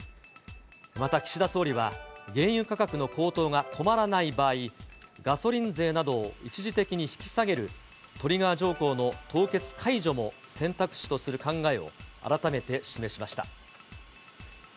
また岸田総理は、原油価格の高騰が止まらない場合、ガソリン税などを一時的に引き下げる、トリガー条項の凍結解除も選択肢とする考えを改めて示しました。